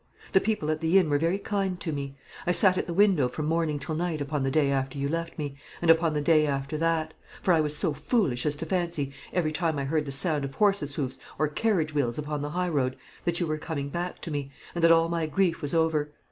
The people at the inn were very kind to me. I sat at the window from morning till night upon the day after you left me, and upon the day after that; for I was so foolish as to fancy, every time I heard the sound of horses' hoofs or carriage wheels upon the high road, that you were coming back to me, and that all my grief was over.